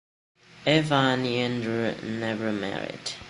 Eva Neander never married.